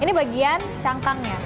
ini bagian cangkangnya